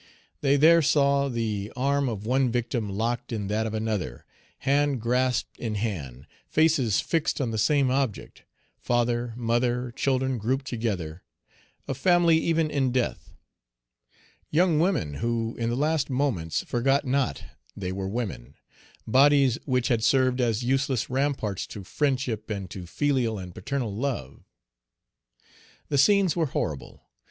They there saw the arm of one victim locked in that of another; hand grasped in hand; faces fixed on the same object; father, mother, children grouped together, a family even in death; young women who in the last moments forgot not they were women; bodies which had served as useless ramparts to friendship and to filial and paternal love. The scenes were horrible.